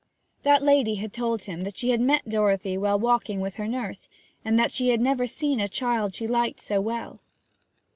That lady had told him that she had met Dorothy walking with her nurse, and that she had never seen a child she liked so well.